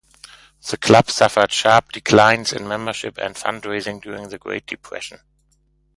The club suffered sharp declines in membership and fundraising during the Great Depression.